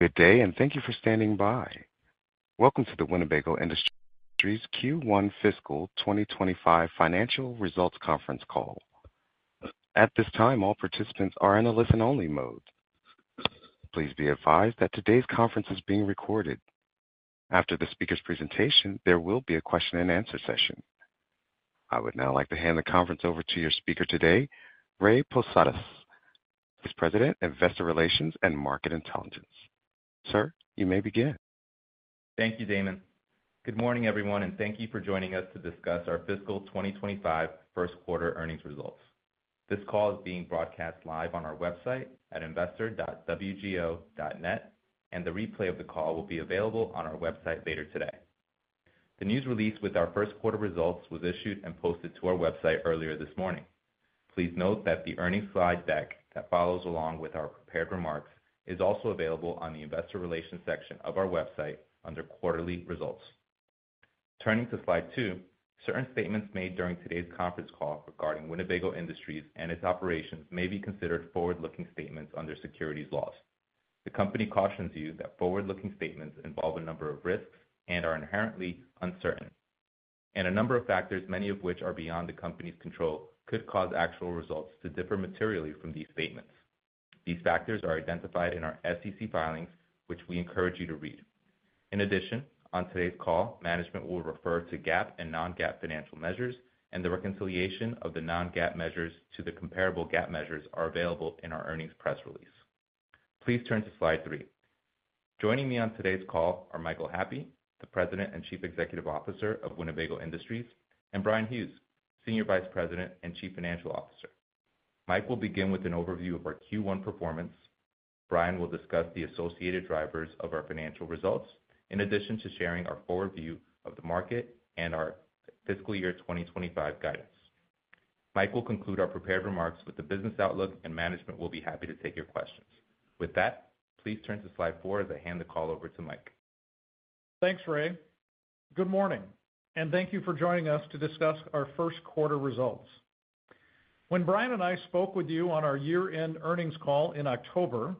Good day, and thank you for standing by. Welcome to the Winnebago Industries Q1 Fiscal 2025 Financial Results Conference Call. At this time, all participants are in a listen-only mode. Please be advised that today's conference is being recorded. After the speaker's presentation, there will be a question-and-answer session. I would now like to hand the conference over to your speaker today, Ray Posadas, Vice President of Investor Relations and Market Intelligence. Sir, you may begin. Thank you, Damon. Good morning, everyone, and thank you for joining us to discuss our Fiscal 2025 first-quarter earnings results. This call is being broadcast live on our website at investor.wgo.net, and the replay of the call will be available on our website later today. The news release with our first-quarter results was issued and posted to our website earlier this morning. Please note that the earnings slide deck that follows along with our prepared remarks is also available on the Investor Relations section of our website under Quarterly Results. Turning to slide two, certain statements made during today's conference call regarding Winnebago Industries and its operations may be considered forward-looking statements under securities laws. The company cautions you that forward-looking statements involve a number of risks and are inherently uncertain, and a number of factors, many of which are beyond the company's control, could cause actual results to differ materially from these statements. These factors are identified in our SEC filings, which we encourage you to read. In addition, on today's call, management will refer to GAAP and non-GAAP financial measures, and the reconciliation of the non-GAAP measures to the comparable GAAP measures is available in our earnings press release. Please turn to slide three. Joining me on today's call are Michael Happe, the President and Chief Executive Officer of Winnebago Industries, and Brian Hughes, Senior Vice President and Chief Financial Officer. Mike will begin with an overview of our Q1 performance. Brian will discuss the associated drivers of our financial results, in addition to sharing our forward view of the market and our fiscal year 2025 guidance. Mike will conclude our prepared remarks with the business outlook, and management will be happy to take your questions. With that, please turn to slide four as I hand the call over to Mike. Thanks, Ray. Good morning, and thank you for joining us to discuss our first-quarter results. When Brian and I spoke with you on our year-end earnings call in October,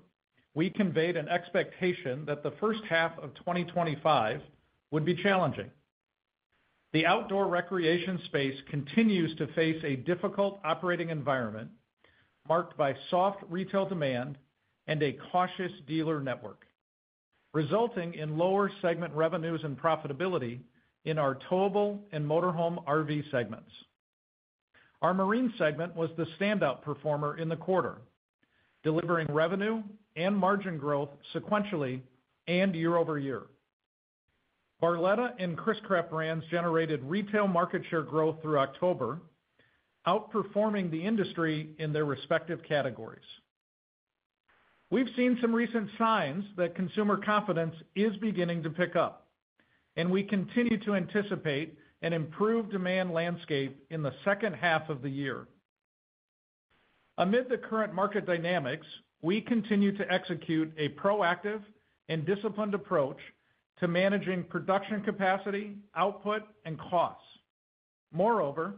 we conveyed an expectation that the first half of 2025 would be challenging. The outdoor recreation space continues to face a difficult operating environment marked by soft retail demand and a cautious dealer network, resulting in lower segment revenues and profitability in our towable and motorhome RV segments. Our marine segment was the standout performer in the quarter, delivering revenue and margin growth sequentially and year over year. Barletta and Chris-Craft brands generated retail market share growth through October, outperforming the industry in their respective categories. We've seen some recent signs that consumer confidence is beginning to pick up, and we continue to anticipate an improved demand landscape in the second half of the year. Amid the current market dynamics, we continue to execute a proactive and disciplined approach to managing production capacity, output, and costs. Moreover,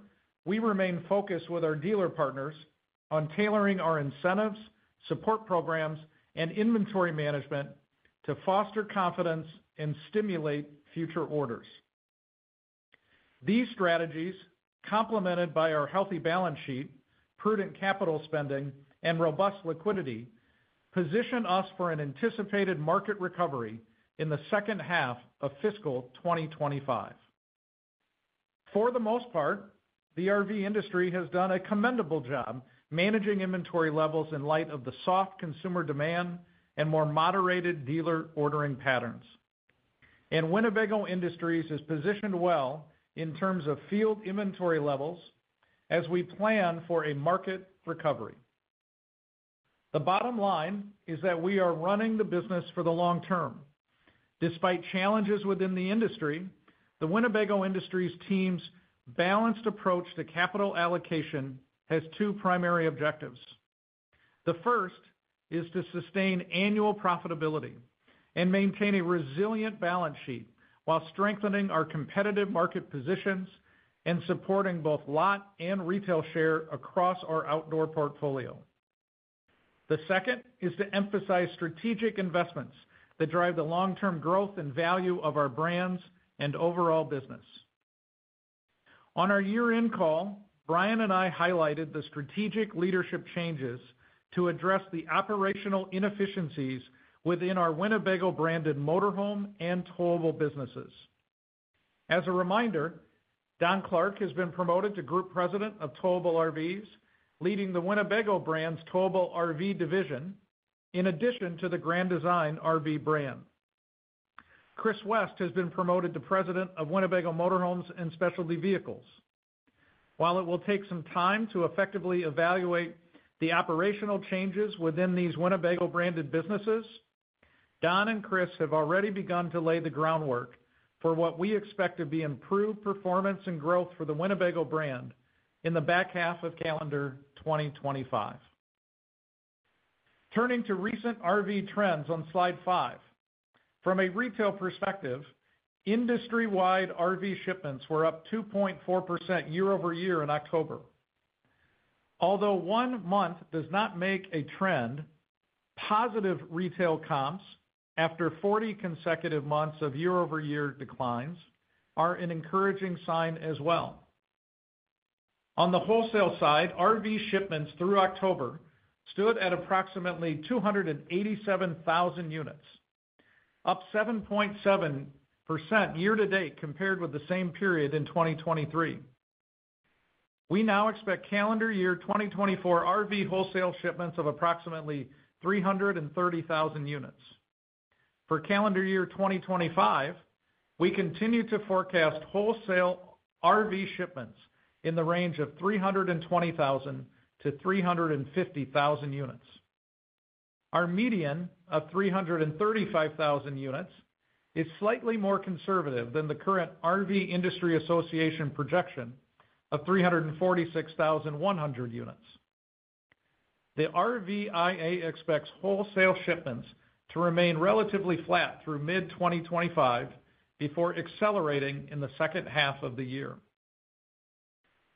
we remain focused with our dealer partners on tailoring our incentives, support programs, and inventory management to foster confidence and stimulate future orders. These strategies, complemented by our healthy balance sheet, prudent capital spending, and robust liquidity, position us for an anticipated market recovery in the second half of fiscal 2025. For the most part, the RV industry has done a commendable job managing inventory levels in light of the soft consumer demand and more moderated dealer ordering patterns, and Winnebago Industries is positioned well in terms of field inventory levels as we plan for a market recovery. The bottom line is that we are running the business for the long term. Despite challenges within the industry, the Winnebago Industries team's balanced approach to capital allocation has two primary objectives. The first is to sustain annual profitability and maintain a resilient balance sheet while strengthening our competitive market positions and supporting both lot and retail share across our outdoor portfolio. The second is to emphasize strategic investments that drive the long-term growth and value of our brands and overall business. On our year-end call, Brian and I highlighted the strategic leadership changes to address the operational inefficiencies within our Winnebago-branded motorhome and towable businesses. As a reminder, Don Clark has been promoted to Group President of Towable RVs, leading the Winnebago brand's Towable RV division, in addition to the Grand Design RV brand. Chris West has been promoted to President of Winnebago Motorhomes and Specialty Vehicles. While it will take some time to effectively evaluate the operational changes within these Winnebago-branded businesses, Don and Chris have already begun to lay the groundwork for what we expect to be improved performance and growth for the Winnebago brand in the back half of calendar 2025. Turning to recent RV trends on slide five, from a retail perspective, industry-wide RV shipments were up 2.4% year over year in October. Although one month does not make a trend, positive retail comps after 40 consecutive months of year-over-year declines are an encouraging sign as well. On the wholesale side, RV shipments through October stood at approximately 287,000 units, up 7.7% year-to-date compared with the same period in 2023. We now expect calendar year 2024 RV wholesale shipments of approximately 330,000 units. For calendar year 2025, we continue to forecast wholesale RV shipments in the range of 320,000 to 350,000 units. Our median of 335,000 units is slightly more conservative than the current RV Industry Association projection of 346,100 units. The RVIA expects wholesale shipments to remain relatively flat through mid-2025 before accelerating in the second half of the year.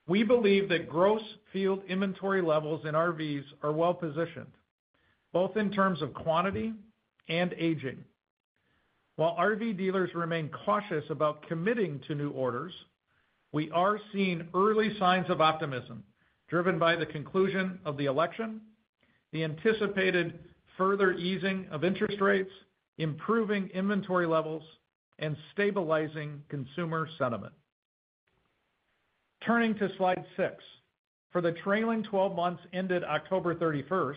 We believe that gross field inventory levels in RVs are well-positioned, both in terms of quantity and aging. While RV dealers remain cautious about committing to new orders, we are seeing early signs of optimism driven by the conclusion of the election, the anticipated further easing of interest rates, improving inventory levels, and stabilizing consumer sentiment. Turning to slide six, for the trailing 12 months ended October 31st,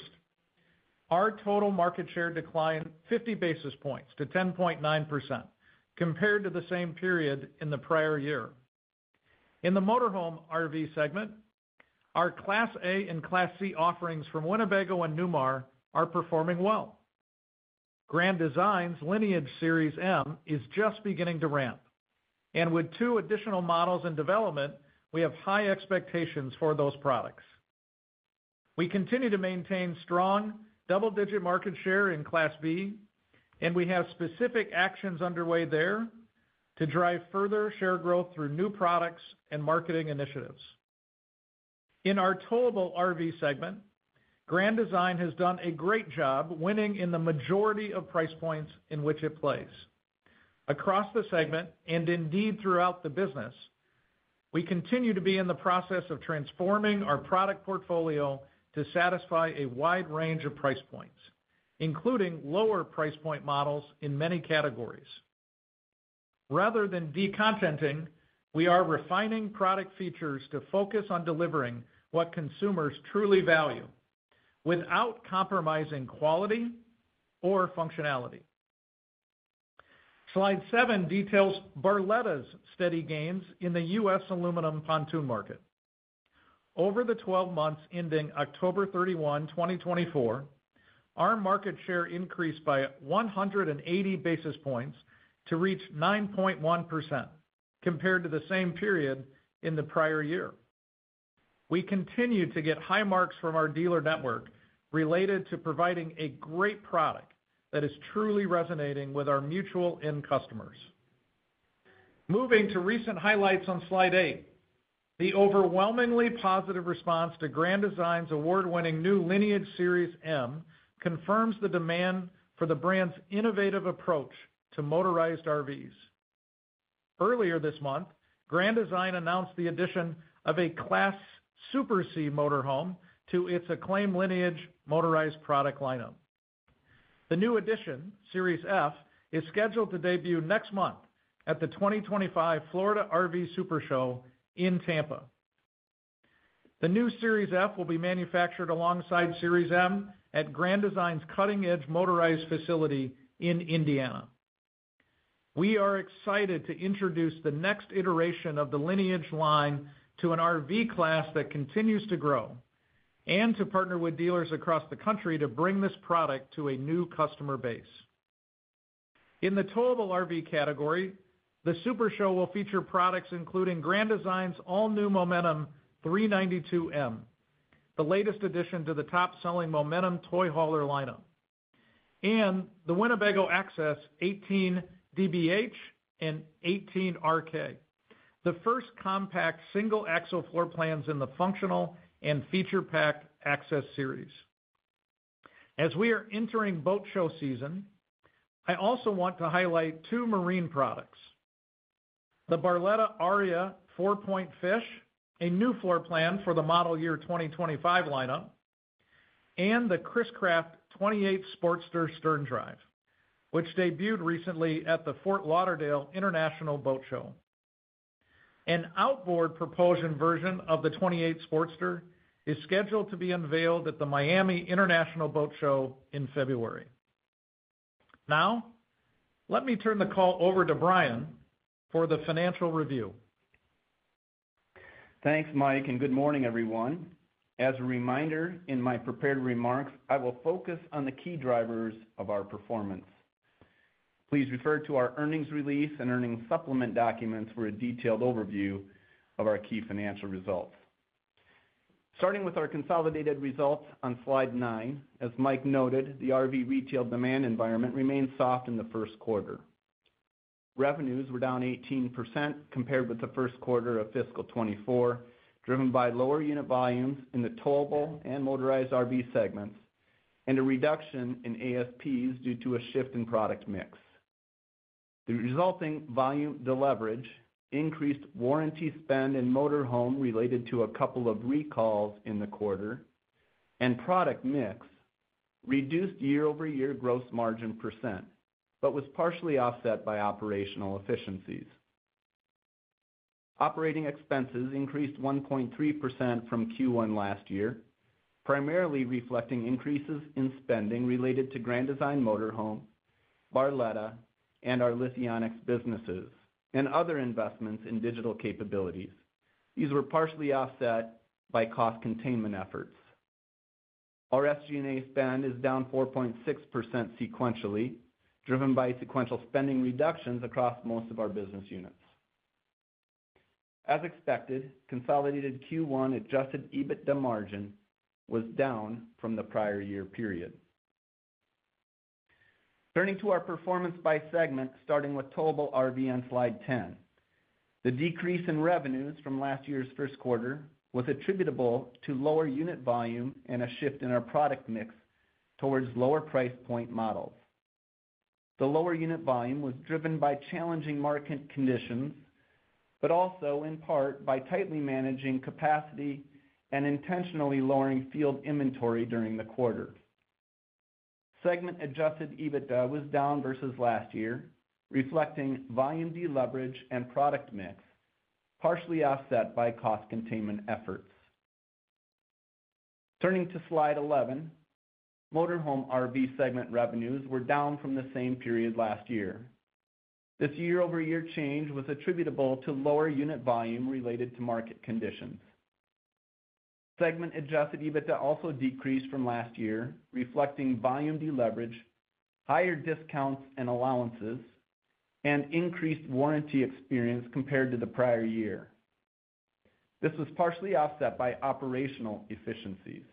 our total market share declined 50 basis points to 10.9% compared to the same period in the prior year. In the motorhome RV segment, our Class A and Class C offerings from Winnebago and Newmar are performing well. Grand Design's Lineage Series M is just beginning to ramp, and with two additional models in development, we have high expectations for those products. We continue to maintain strong double-digit market share in Class B, and we have specific actions underway there to drive further share growth through new products and marketing initiatives. In our towable RV segment, Grand Design has done a great job winning in the majority of price points in which it plays. Across the segment and indeed throughout the business, we continue to be in the process of transforming our product portfolio to satisfy a wide range of price points, including lower price point models in many categories. Rather than decontenting, we are refining product features to focus on delivering what consumers truly value without compromising quality or functionality. Slide seven details Barletta's steady gains in the U.S. aluminum pontoon market. Over the 12 months ending October 31, 2024, our market share increased by 180 basis points to reach 9.1% compared to the same period in the prior year. We continue to get high marks from our dealer network related to providing a great product that is truly resonating with our mutual end customers. Moving to recent highlights on slide eight, the overwhelmingly positive response to Grand Design's award-winning new Lineage Series M confirms the demand for the brand's innovative approach to motorized RVs. Earlier this month, Grand Design announced the addition of a Class Super C motorhome to its acclaimed Lineage motorized product lineup. The new addition, Series F, is scheduled to debut next month at the 2025 Florida RV SuperShow in Tampa. The new Series F will be manufactured alongside Series M at Grand Design's cutting-edge motorized facility in Indiana. We are excited to introduce the next iteration of the Lineage line to an RV class that continues to grow and to partner with dealers across the country to bring this product to a new customer base. In the towable RV category, the Super Show will feature products including Grand Design's all-new Momentum 392M, the latest addition to the top-selling Momentum toy hauler lineup, and the Winnebago Access 18 DBH and 18 RK, the first compact single-axle floor plans in the functional and feature-packed Access series. As we are entering boat show season, I also want to highlight two marine products: the Barletta Aria 4-Point Fish, a new floor plan for the model year 2025 lineup, and the Chris-Craft 28 Sportster Stern Drive, which debuted recently at the Fort Lauderdale International Boat Show. An outboard propulsion version of the 28 Sportster is scheduled to be unveiled at the Miami International Boat Show in February. Now, let me turn the call over to Brian for the financial review. Thanks, Mike, and good morning, everyone. As a reminder, in my prepared remarks, I will focus on the key drivers of our performance. Please refer to our earnings release and earnings supplement documents for a detailed overview of our key financial results. Starting with our consolidated results on slide nine, as Mike noted, the RV retail demand environment remained soft in the first quarter. Revenues were down 18% compared with the first quarter of fiscal 2024, driven by lower unit volumes in the towable and motorized RV segments and a reduction in ASPs due to a shift in product mix. The resulting volume to leverage increased warranty spend in motorhome related to a couple of recalls in the quarter, and product mix reduced year-over-year gross margin % but was partially offset by operational efficiencies. Operating expenses increased 1.3% from Q1 last year, primarily reflecting increases in spending related to Grand Design Motorhome, Barletta, and our Lithionics businesses, and other investments in digital capabilities. These were partially offset by cost containment efforts. Our SG&A spend is down 4.6% sequentially, driven by sequential spending reductions across most of our business units. As expected, consolidated Q1 Adjusted EBITDA margin was down from the prior year period. Turning to our performance by segment, starting with towable RV on slide 10, the decrease in revenues from last year's first quarter was attributable to lower unit volume and a shift in our product mix towards lower price point models. The lower unit volume was driven by challenging market conditions, but also in part by tightly managing capacity and intentionally lowering field inventory during the quarter. Segment-adjusted EBITDA was down versus last year, reflecting volume deleverage and product mix partially offset by cost containment efforts. Turning to slide 11, motorhome RV segment revenues were down from the same period last year. This year-over-year change was attributable to lower unit volume related to market conditions. Segment-adjusted EBITDA also decreased from last year, reflecting volume deleverage, higher discounts and allowances, and increased warranty experience compared to the prior year. This was partially offset by operational efficiencies.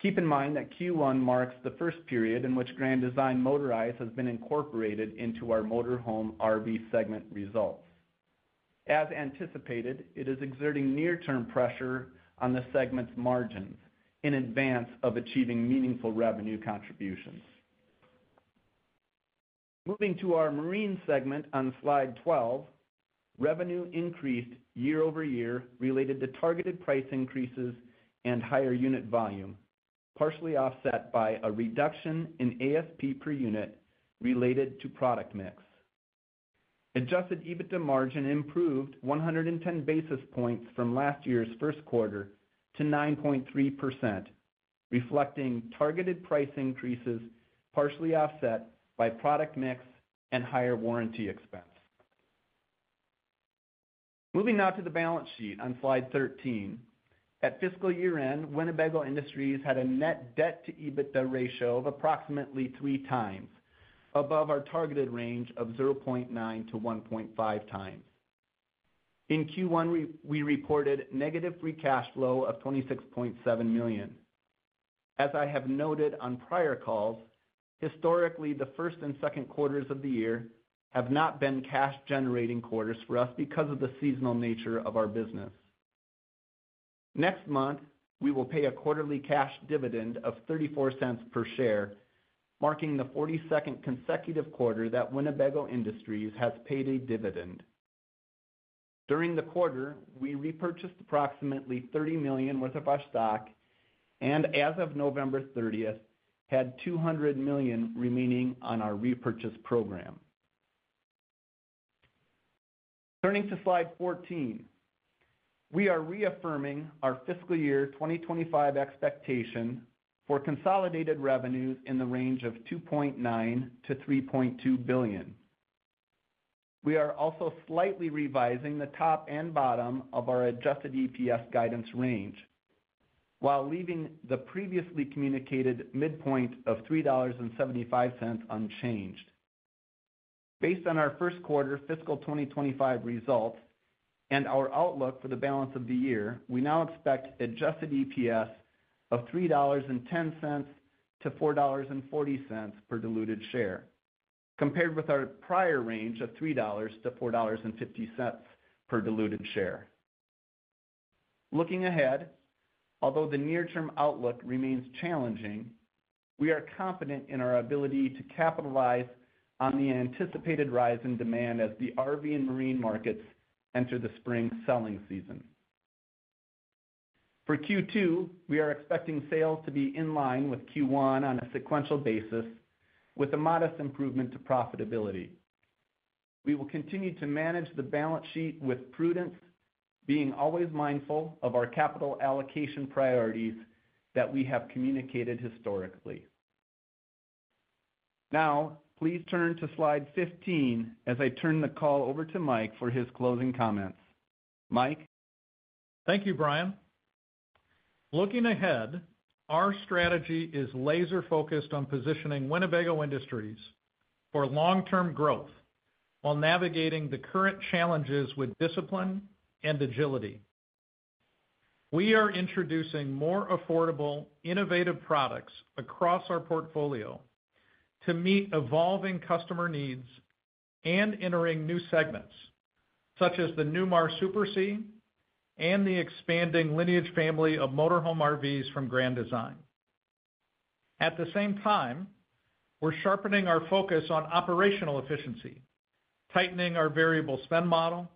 Keep in mind that Q1 marks the first period in which Grand Design Motorized has been incorporated into our motorhome RV segment results. As anticipated, it is exerting near-term pressure on the segment's margins in advance of achieving meaningful revenue contributions. Moving to our marine segment on slide 12, revenue increased year-over-year related to targeted price increases and higher unit volume, partially offset by a reduction in ASP per unit related to product mix. Adjusted EBITDA margin improved 110 basis points from last year's first quarter to 9.3%, reflecting targeted price increases partially offset by product mix and higher warranty expense. Moving now to the balance sheet on slide 13, at fiscal year-end, Winnebago Industries had a net debt-to-EBITDA ratio of approximately three times, above our targeted range of 0.9-1.5x. In Q1, we reported negative free cash flow of $26.7 million. As I have noted on prior calls, historically, the first and second quarters of the year have not been cash-generating quarters for us because of the seasonal nature of our business. Next month, we will pay a quarterly cash dividend of $0.34 per share, marking the 42nd consecutive quarter that Winnebago Industries has paid a dividend. During the quarter, we repurchased approximately $30 million worth of our stock, and as of November 30th, had $200 million remaining on our repurchase program. Turning to slide 14, we are reaffirming our fiscal year 2025 expectation for consolidated revenues in the range of $2.9 billion-$3.2 billion. We are also slightly revising the top and bottom of our adjusted EPS guidance range while leaving the previously communicated midpoint of $3.75 unchanged. Based on our first quarter fiscal 2025 results and our outlook for the balance of the year, we now expect adjusted EPS of $3.10-$4.40 per diluted share, compared with our prior range of $3.00-$4.50 per diluted share. Looking ahead, although the near-term outlook remains challenging, we are confident in our ability to capitalize on the anticipated rise in demand as the RV and marine markets enter the spring selling season. For Q2, we are expecting sales to be in line with Q1 on a sequential basis, with a modest improvement to profitability. We will continue to manage the balance sheet with prudence, being always mindful of our capital allocation priorities that we have communicated historically. Now, please turn to slide 15 as I turn the call over to Mike for his closing comments. Mike. Thank you, Brian. Looking ahead, our strategy is laser-focused on positioning Winnebago Industries for long-term growth while navigating the current challenges with discipline and agility. We are introducing more affordable, innovative products across our portfolio to meet evolving customer needs and entering new segments, such as the Newmar Super C and the expanding Lineage family of motorhome RVs from Grand Design. At the same time, we're sharpening our focus on operational efficiency, tightening our variable spend model,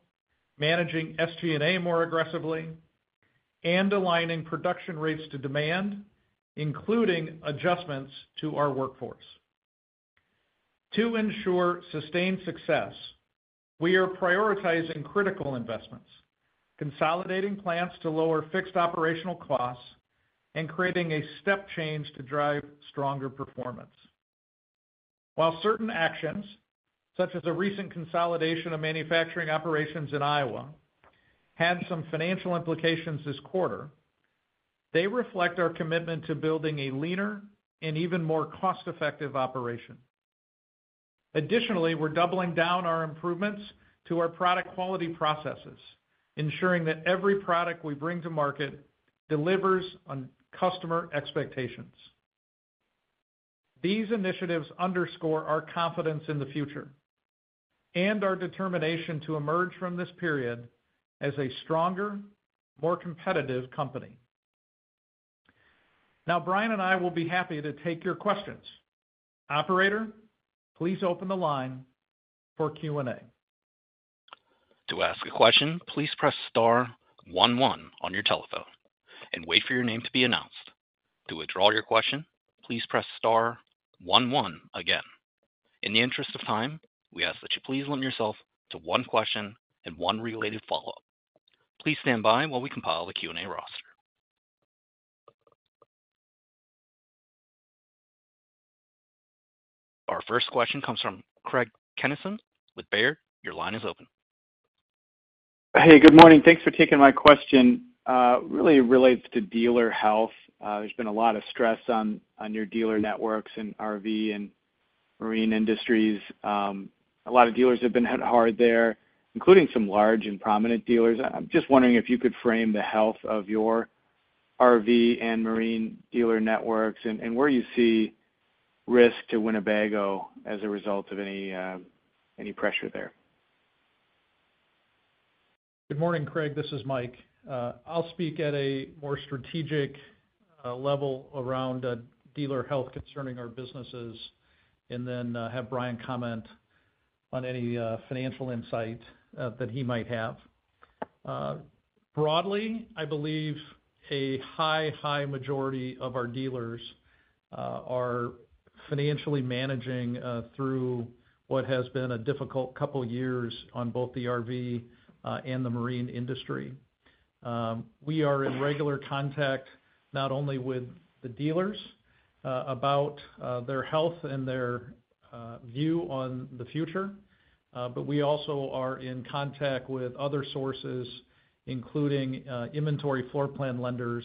managing SG&A more aggressively, and aligning production rates to demand, including adjustments to our workforce. To ensure sustained success, we are prioritizing critical investments, consolidating plans to lower fixed operational costs, and creating a step change to drive stronger performance. While certain actions, such as a recent consolidation of manufacturing operations in Iowa, had some financial implications this quarter, they reflect our commitment to building a leaner and even more cost-effective operation. Additionally, we're doubling down our improvements to our product quality processes, ensuring that every product we bring to market delivers on customer expectations. These initiatives underscore our confidence in the future and our determination to emerge from this period as a stronger, more competitive company. Now, Brian and I will be happy to take your questions. Operator, please open the line for Q&A. To ask a question, please press star one one on your telephone and wait for your name to be announced. To withdraw your question, please press star one one again. In the interest of time, we ask that you please limit yourself to one question and one related follow-up. Please stand by while we compile the Q&A roster. Our first question comes from Craig Kennison with Baird. Your line is open. Hey, good morning. Thanks for taking my question. Really relates to dealer health. There's been a lot of stress on your dealer networks in RV and marine industries. A lot of dealers have been hit hard there, including some large and prominent dealers. I'm just wondering if you could frame the health of your RV and marine dealer networks and where you see risk to Winnebago as a result of any pressure there? Good morning, Craig. This is Mike. I'll speak at a more strategic level around dealer health concerning our businesses and then have Brian comment on any financial insight that he might have. Broadly, I believe a high, high majority of our dealers are financially managing through what has been a difficult couple of years on both the RV and the marine industry. We are in regular contact not only with the dealers about their health and their view on the future, but we also are in contact with other sources, including inventory floor plan lenders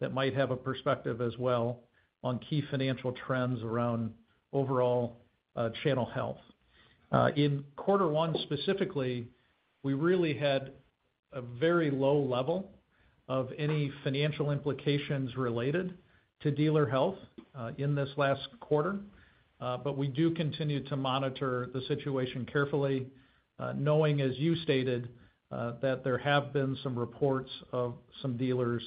that might have a perspective as well on key financial trends around overall channel health. In quarter one specifically, we really had a very low level of any financial implications related to dealer health in this last quarter, but we do continue to monitor the situation carefully, knowing, as you stated, that there have been some reports of some dealers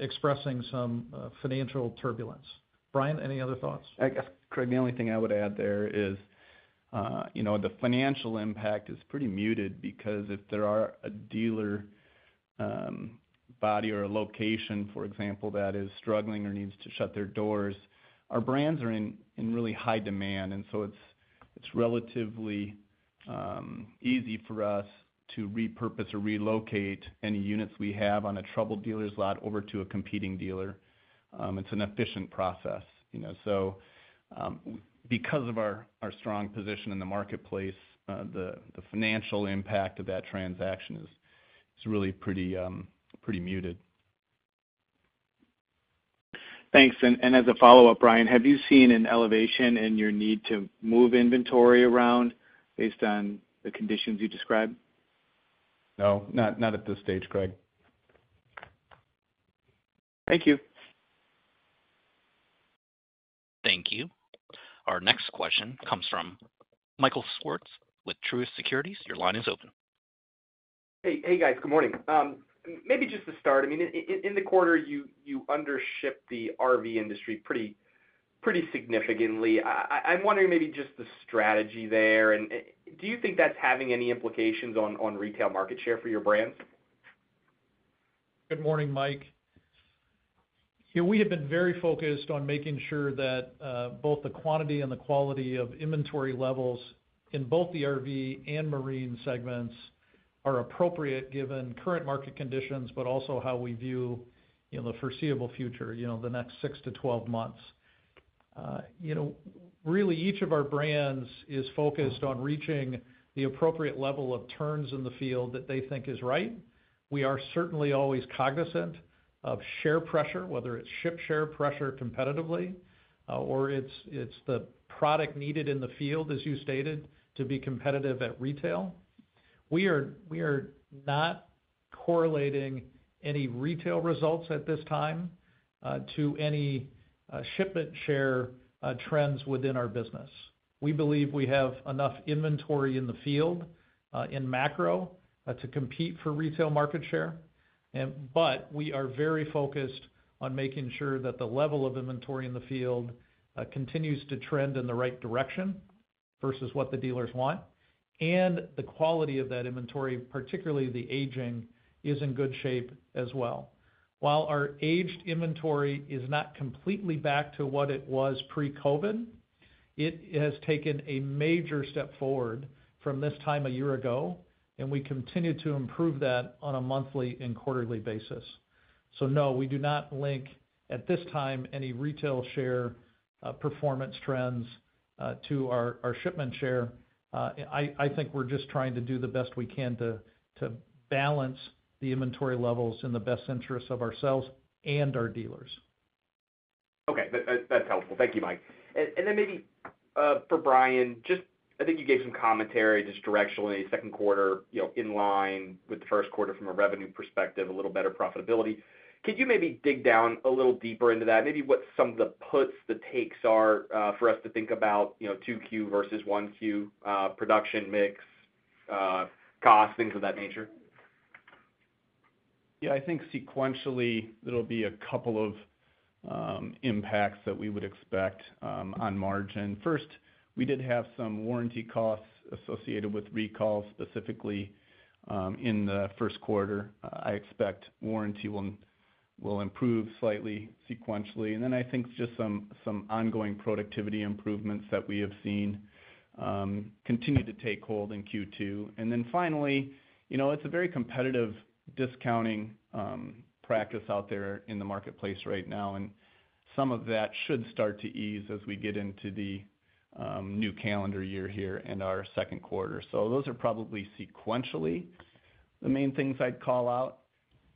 expressing some financial turbulence. Brian, any other thoughts? I guess, Craig, the only thing I would add there is the financial impact is pretty muted because if there are a dealer body or a location, for example, that is struggling or needs to shut their doors, our brands are in really high demand, and so it's relatively easy for us to repurpose or relocate any units we have on a troubled dealer's lot over to a competing dealer. It's an efficient process. So because of our strong position in the marketplace, the financial impact of that transaction is really pretty muted. Thanks. And as a follow-up, Brian, have you seen an elevation in your need to move inventory around based on the conditions you described? No, not at this stage, Craig. Thank you. Thank you. Our next question comes from Michael Swartz with Truist Securities. Your line is open. Hey, guys. Good morning. Maybe just to start, I mean, in the quarter, you undershipped the RV industry pretty significantly. I'm wondering maybe just the strategy there, and do you think that's having any implications on retail market share for your brands? Good morning, Mike. We have been very focused on making sure that both the quantity and the quality of inventory levels in both the RV and marine segments are appropriate given current market conditions, but also how we view the foreseeable future, the next six to 12 months. Really, each of our brands is focused on reaching the appropriate level of turns in the field that they think is right. We are certainly always cognizant of share pressure, whether it's shipment share pressure competitively or it's the product needed in the field, as you stated, to be competitive at retail. We are not correlating any retail results at this time to any shipment share trends within our business. We believe we have enough inventory in the field in macro to compete for retail market share, but we are very focused on making sure that the level of inventory in the field continues to trend in the right direction versus what the dealers want, and the quality of that inventory, particularly the aging, is in good shape as well. While our aged inventory is not completely back to what it was pre-COVID, it has taken a major step forward from this time a year ago, and we continue to improve that on a monthly and quarterly basis, so no, we do not link at this time any retail share performance trends to our shipment share. I think we're just trying to do the best we can to balance the inventory levels in the best interest of ourselves and our dealers. Okay. That's helpful. Thank you, Mike. And then maybe for Brian, just, I think you gave some commentary just directionally second quarter in line with the first quarter from a revenue perspective, a little better profitability. Could you maybe dig down a little deeper into that? Maybe what some of the puts, the takes are for us to think about 2Q versus 1Q production mix, costs, things of that nature? Yeah. I think sequentially, there will be a couple of impacts that we would expect on margin. First, we did have some warranty costs associated with recalls specifically in the first quarter. I expect warranty will improve slightly sequentially. And then I think just some ongoing productivity improvements that we have seen continue to take hold in Q2. And then finally, it's a very competitive discounting practice out there in the marketplace right now, and some of that should start to ease as we get into the new calendar year here and our second quarter. So those are probably sequentially the main things I'd call out.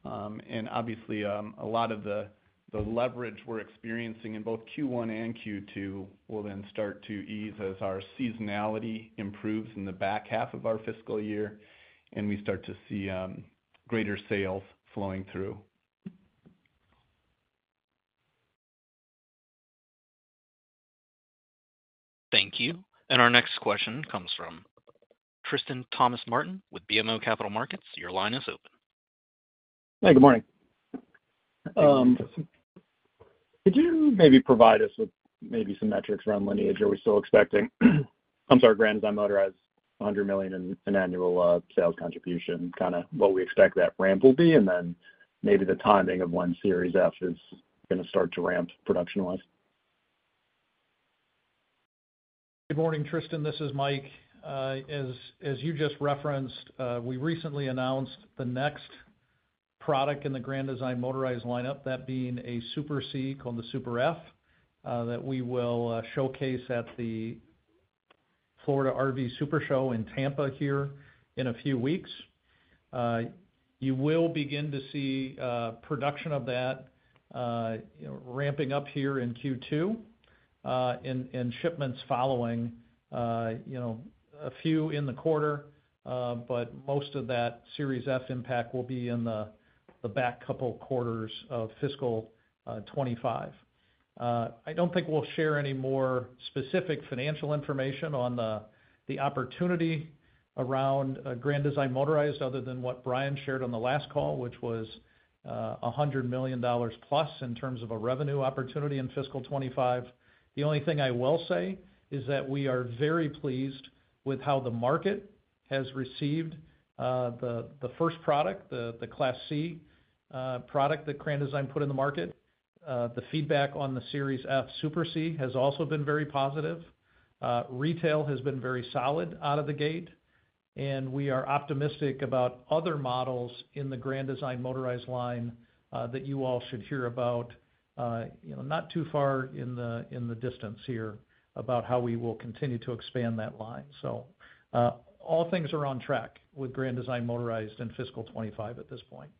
And obviously, a lot of the leverage we're experiencing in both Q1 and Q2 will then start to ease as our seasonality improves in the back half of our fiscal year and we start to see greater sales flowing through. Thank you. And our next question comes from Tristan Thomas-Martin with BMO Capital Markets. Your line is open. Hey, good morning. Could you maybe provide us with maybe some metrics around Lineage? Are we still expecting, I'm sorry, Grand Design Motorized has $100 million in annual sales contribution, kind of what we expect that ramp will be, and then maybe the timing of when Series F is going to start to ramp production-wise? Good morning, Tristan. This is Mike. As you just referenced, we recently announced the next product in the Grand Design Motorized lineup, that being a Super C called the Super F that we will showcase at the Florida RV SuperShow in Tampa here in a few weeks. You will begin to see production of that ramping up here in Q2 and shipments following a few in the quarter, but most of that Series F impact will be in the back couple quarters of fiscal 2025. I don't think we'll share any more specific financial information on the opportunity around Grand Design Motorized other than what Brian shared on the last call, which was $100 million plus in terms of a revenue opportunity in fiscal 2025. The only thing I will say is that we are very pleased with how the market has received the first product, the Class C product that Grand Design put in the market. The feedback on the Series F Super C has also been very positive. Retail has been very solid out of the gate, and we are optimistic about other models in the Grand Design Motorized line that you all should hear about, not too far in the distance here, about how we will continue to expand that line. So all things are on track with Grand Design Motorized in fiscal 2025 at this point.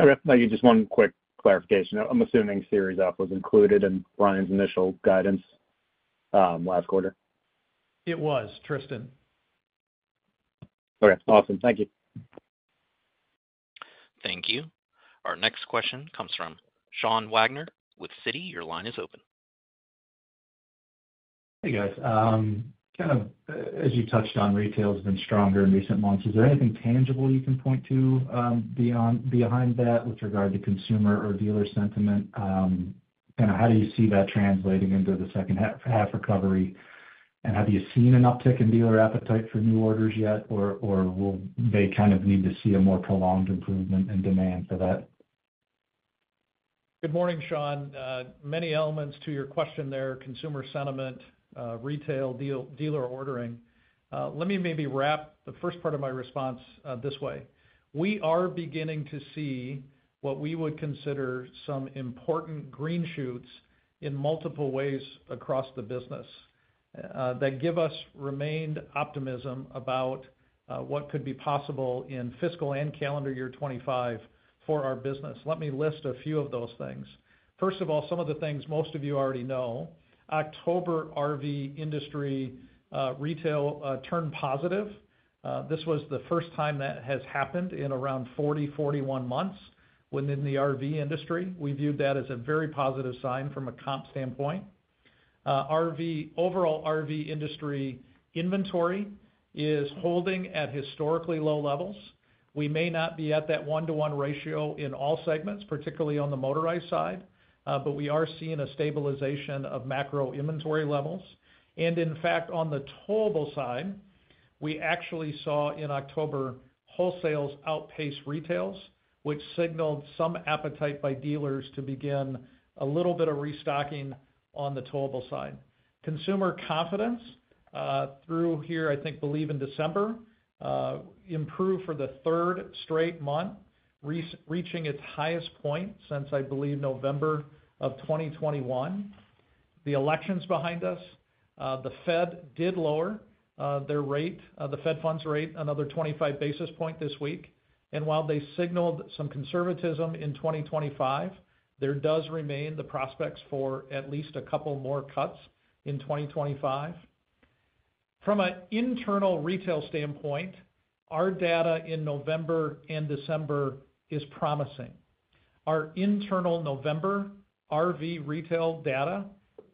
Okay. Maybe just one quick clarification. I'm assuming Series F was included in Brian's initial guidance last quarter? It was, Tristan. Okay. Awesome. Thank you. Thank you. Our next question comes from Sean Wagner with Citi. Your line is open. Hey, guys. Kind of as you touched on, retail has been stronger in recent months. Is there anything tangible you can point to behind that with regard to consumer or dealer sentiment? Kind of how do you see that translating into the second half recovery? And have you seen an uptick in dealer appetite for new orders yet, or will they kind of need to see a more prolonged improvement in demand for that? Good morning, Sean. Many elements to your question there, consumer sentiment, retail, dealer ordering. Let me maybe wrap the first part of my response this way. We are beginning to see what we would consider some important green shoots in multiple ways across the business that give us renewed optimism about what could be possible in fiscal and calendar year 2025 for our business. Let me list a few of those things. First of all, some of the things most of you already know. October RV industry retail turned positive. This was the first time that has happened in around 40, 41 months within the RV industry. We viewed that as a very positive sign from a comp standpoint. Overall RV industry inventory is holding at historically low levels. We may not be at that one-to-one ratio in all segments, particularly on the motorized side, but we are seeing a stabilization of macro inventory levels. And in fact, on the towable side, we actually saw in October wholesales outpace retails, which signaled some appetite by dealers to begin a little bit of restocking on the towable side. Consumer confidence through here, I think, believe in December, improved for the third straight month, reaching its highest point since, I believe, November of 2021. The election's behind us. The Fed did lower their rate, the Fed funds rate, another 25 basis points this week. And while they signaled some conservatism in 2025, there does remain the prospects for at least a couple more cuts in 2025. From an internal retail standpoint, our data in November and December is promising. Our internal November RV retail data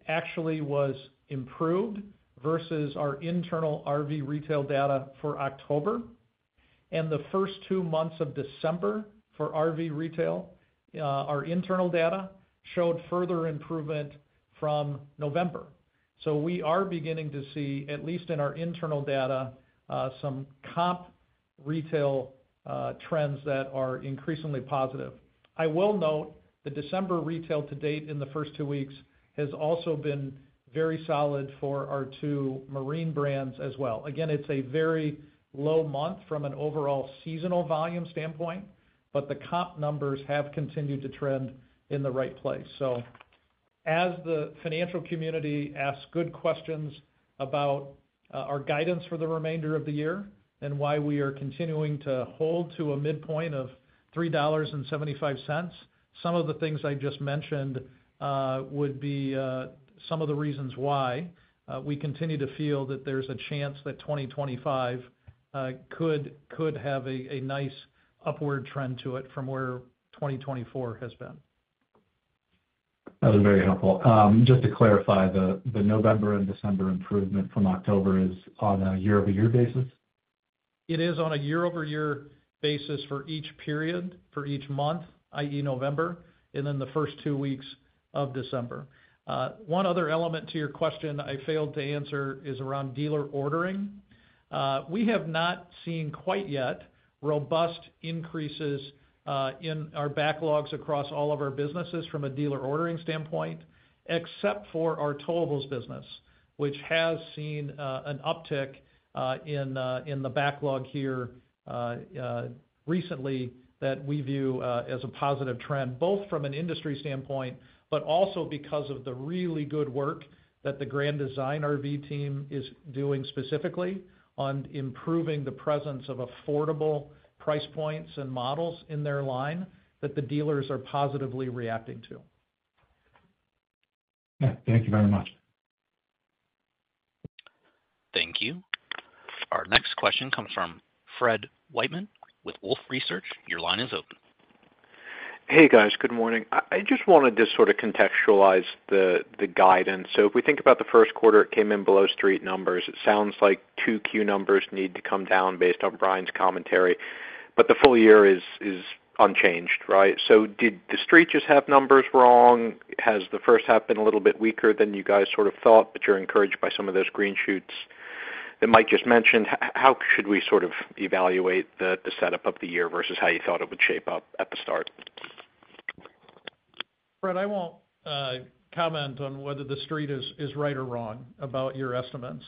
actually was improved versus our internal RV retail data for October, and the first two months of December for RV retail, our internal data showed further improvement from November, so we are beginning to see, at least in our internal data, some comp retail trends that are increasingly positive. I will note the December retail to date in the first two weeks has also been very solid for our two marine brands as well. Again, it's a very low month from an overall seasonal volume standpoint, but the comp numbers have continued to trend in the right place. So as the financial community asks good questions about our guidance for the remainder of the year and why we are continuing to hold to a midpoint of $3.75, some of the things I just mentioned would be some of the reasons why we continue to feel that there's a chance that 2025 could have a nice upward trend to it from where 2024 has been. That was very helpful. Just to clarify, the November and December improvement from October is on a year-over-year basis? It is on a year-over-year basis for each period, for each month, i.e., November, and then the first two weeks of December. One other element to your question I failed to answer is around dealer ordering. We have not seen quite yet robust increases in our backlogs across all of our businesses from a dealer ordering standpoint, except for our towable business, which has seen an uptick in the backlog here recently that we view as a positive trend, both from an industry standpoint, but also because of the really good work that the Grand Design RV team is doing specifically on improving the presence of affordable price points and models in their line that the dealers are positively reacting to. Thank you very much. Thank you. Our next question comes from Fred Wightman with Wolfe Research. Your line is open. Hey, guys. Good morning. I just wanted to sort of contextualize the guidance. So if we think about the first quarter, it came in below street numbers. It sounds like two Q numbers need to come down based on Brian's commentary, but the full year is unchanged, right? So did the street just have numbers wrong? Has the first half been a little bit weaker than you guys sort of thought, but you're encouraged by some of those green shoots that Mike just mentioned? How should we sort of evaluate the setup of the year versus how you thought it would shape up at the start? Fred, I won't comment on whether the street is right or wrong about your estimates.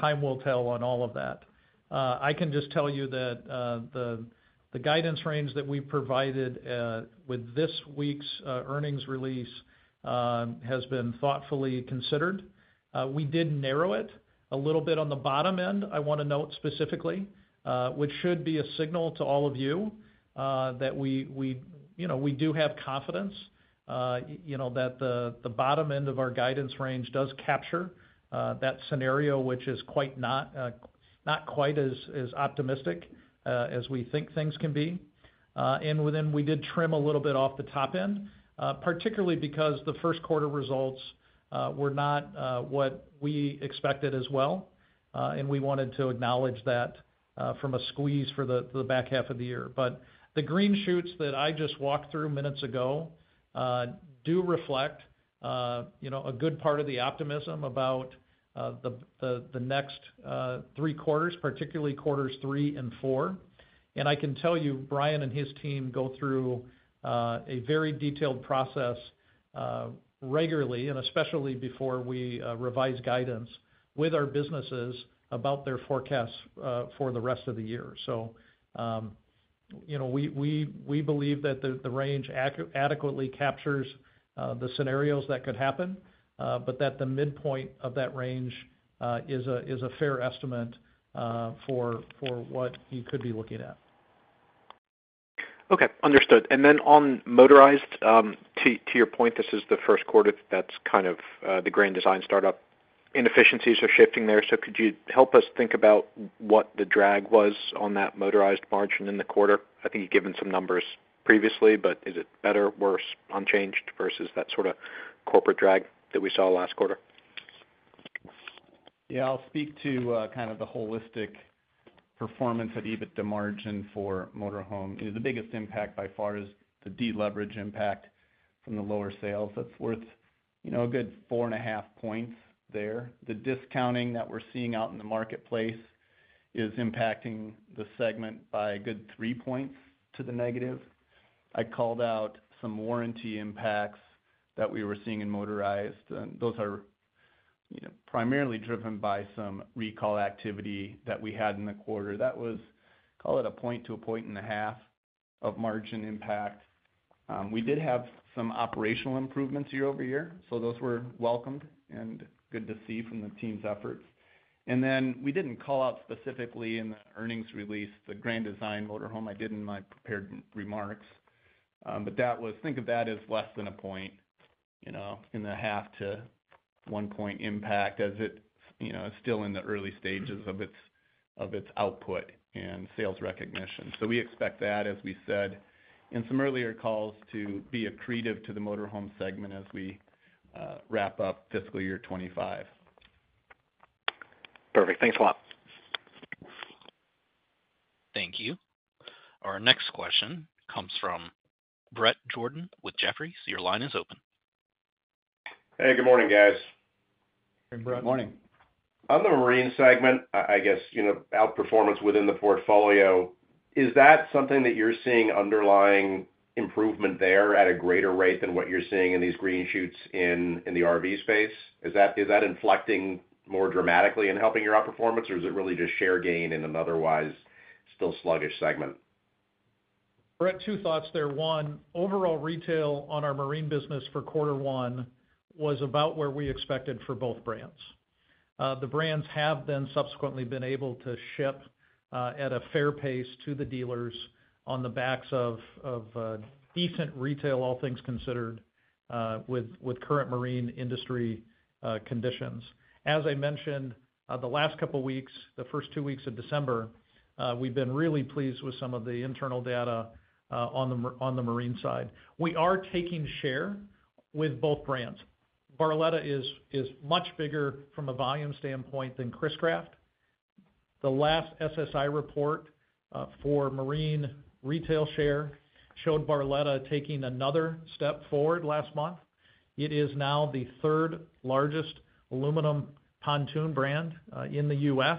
Time will tell on all of that. I can just tell you that the guidance range that we provided with this week's earnings release has been thoughtfully considered. We did narrow it a little bit on the bottom end. I want to note specifically, which should be a signal to all of you that we do have confidence that the bottom end of our guidance range does capture that scenario, which is not quite as optimistic as we think things can be. And then we did trim a little bit off the top end, particularly because the first quarter results were not what we expected as well. And we wanted to acknowledge that from a squeeze for the back half of the year. But the green shoots that I just walked through minutes ago do reflect a good part of the optimism about the next three quarters, particularly quarters three and four. And I can tell you, Brian and his team go through a very detailed process regularly, and especially before we revise guidance with our businesses about their forecasts for the rest of the year. So we believe that the range adequately captures the scenarios that could happen, but that the midpoint of that range is a fair estimate for what you could be looking at. Okay. Understood. And then on motorized, to your point, this is the first quarter that's kind of the Grand Design startup. Inefficiencies are shifting there. So could you help us think about what the drag was on that motorized margin in the quarter? I think you've given some numbers previously, but is it better, worse, unchanged versus that sort of corporate drag that we saw last quarter? Yeah. I'll speak to kind of the holistic performance at EBITDA margin for motorhome. The biggest impact by far is the deleverage impact from the lower sales. That's worth a good four and a half points there. The discounting that we're seeing out in the marketplace is impacting the segment by a good three points to the negative. I called out some warranty impacts that we were seeing in motorized. Those are primarily driven by some recall activity that we had in the quarter. That was, call it a point to a point and a half of margin impact. We did have some operational improvements year over year, so those were welcomed and good to see from the team's efforts. And then we didn't call out specifically in the earnings release the Grand Design Motorhome. I did in my prepared remarks, but think of that as less than a point in the half to one point impact as it is still in the early stages of its output and sales recognition, so we expect that, as we said in some earlier calls, to be accretive to the motorhome segment as we wrap up fiscal year 2025. Perfect. Thanks a lot. Thank you. Our next question comes from Bret Jordan with Jefferies. Your line is open. Hey, good morning, guys. Hey, Brett. Good morning. On the marine segment, I guess outperformance within the portfolio, is that something that you're seeing underlying improvement there at a greater rate than what you're seeing in these green shoots in the RV space? Is that inflecting more dramatically in helping your outperformance, or is it really just share gain in an otherwise still sluggish segment? Brett, two thoughts there. One, overall retail on our marine business for quarter one was about where we expected for both brands. The brands have then subsequently been able to ship at a fair pace to the dealers on the backs of decent retail, all things considered, with current marine industry conditions. As I mentioned, the last couple of weeks, the first two weeks of December, we've been really pleased with some of the internal data on the marine side. We are taking share with both brands. Barletta is much bigger from a volume standpoint than Chris-Craft. The last SSI report for marine retail share showed Barletta taking another step forward last month. It is now the third largest aluminum pontoon brand in the U.S.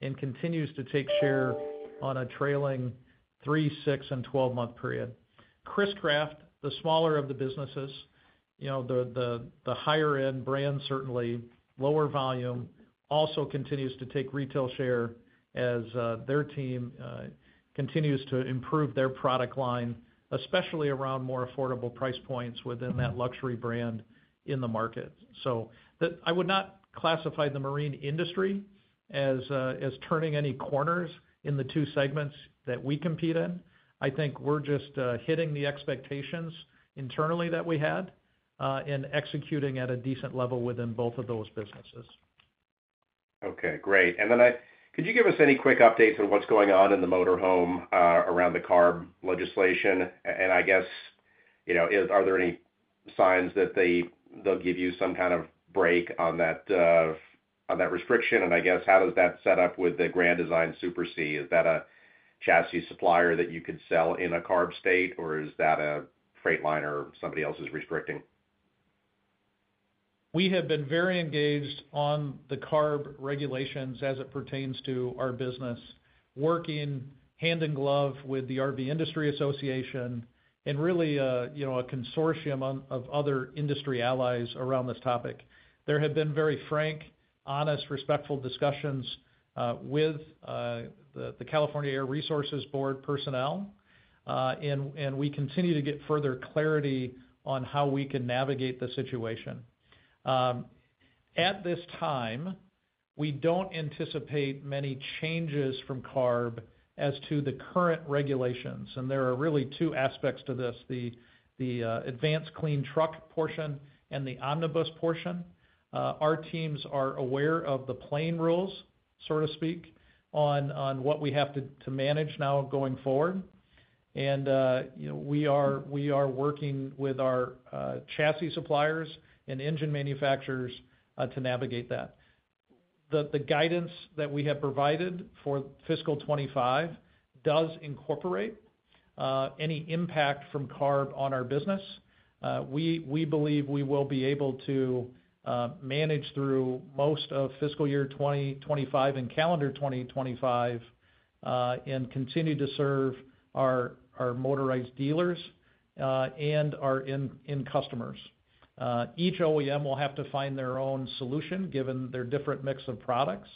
and continues to take share on a trailing three, six, and 12-month period. Chris-Craft, the smaller of the businesses, the higher-end brand, certainly lower volume, also continues to take retail share as their team continues to improve their product line, especially around more affordable price points within that luxury brand in the market. So I would not classify the marine industry as turning any corners in the two segments that we compete in. I think we're just hitting the expectations internally that we had and executing at a decent level within both of those businesses. Okay. Great. And then could you give us any quick updates on what's going on in the motorhome around the CARB legislation? And I guess, are there any signs that they'll give you some kind of break on that restriction? And I guess, how does that set up with the Grand Design Super C? Is that a chassis supplier that you could sell in a CARB state, or is that a Freightliner somebody else is restricting? We have been very engaged on the CARB regulations as it pertains to our business, working hand in glove with the RV Industry Association and really a consortium of other industry allies around this topic. There have been very frank, honest, respectful discussions with the California Air Resources Board personnel, and we continue to get further clarity on how we can navigate the situation. At this time, we don't anticipate many changes from CARB as to the current regulations, and there are really two aspects to this: the Advanced Clean Trucks portion and the Omnibus portion. Our teams are aware of the plain rules, so to speak, on what we have to manage now going forward, and we are working with our chassis suppliers and engine manufacturers to navigate that. The guidance that we have provided for fiscal 2025 does incorporate any impact from CARB on our business. We believe we will be able to manage through most of fiscal year 2025 and calendar 2025 and continue to serve our motorized dealers and our end customers. Each OEM will have to find their own solution given their different mix of products,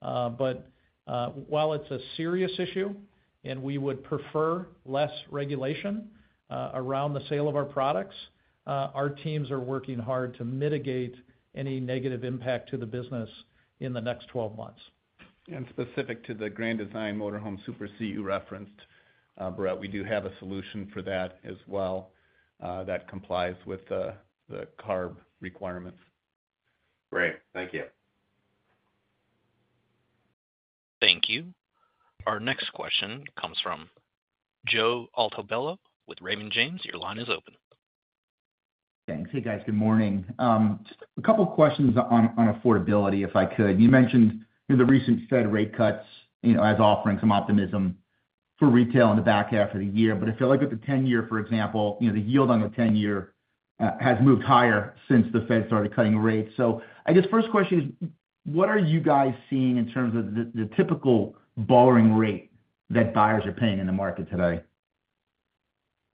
but while it's a serious issue and we would prefer less regulation around the sale of our products, our teams are working hard to mitigate any negative impact to the business in the next 12 months. Specific to the Grand Design motorhome Super C you referenced, Bret, we do have a solution for that as well that complies with the CARB requirements. Great. Thank you. Thank you. Our next question comes from Joe Altobello with Raymond James. Your line is open. Thanks. Hey, guys. Good morning. Just a couple of questions on affordability, if I could. You mentioned the recent Fed rate cuts as offering some optimism for retail in the back half of the year. But I feel like with the 10-year, for example, the yield on the 10-year has moved higher since the Fed started cutting rates. So I guess first question is, what are you guys seeing in terms of the typical borrowing rate that buyers are paying in the market today?